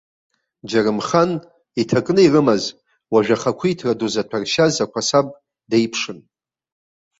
Џьарымхан, иҭакны ирымаз, уажә ахақәиҭра ду заҭәаршьаз ақәасаб деиԥшын.